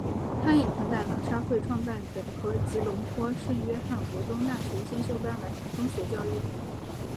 他也曾在喇沙会创办的和吉隆坡圣约翰国中大学先修班完成中学教育。